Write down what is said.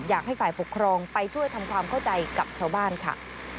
อยากให้ฝ่ายปกครองไปช่วยทำความเข้าใจกับชาวบ้านค่ะ